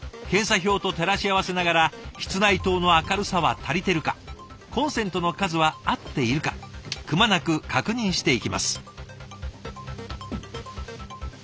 検査表と照らし合わせながら室内灯の明るさは足りてるかコンセントの数は合っているかくまなく確認していきます。